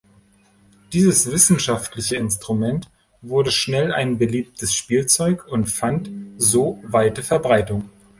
Dieses wissenschaftliche Instrument wurde schnell ein beliebtes Spielzeug und fand so weite Verbreitung.